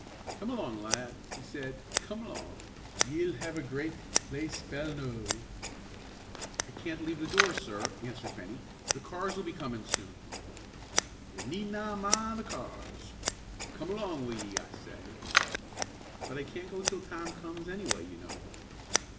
"Come along, lad!" he said; "come along! Ye'll have a gret play spell noo." "I can't leave the door, sir," answered Bennie. "The cars'll be comin' soon." "Ye need na min' the cars. Come along wi' ye, I say!" "But I can't go till Tom comes, anyway, you know."